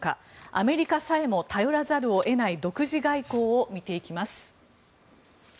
アメリカさえも頼らざるを得ない独自外交を見ていきます。